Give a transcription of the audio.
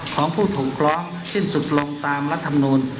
ของผู้ถูกร้องสิ้นสุดลงตามรัฐมนูล